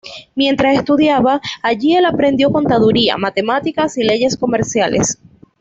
Mientras estudiaba allí el aprendió contaduría, matemáticas y leyes comerciales.